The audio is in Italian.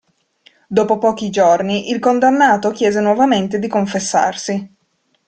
Dopo pochi giorni il condannato chiese nuovamente di confessarsi.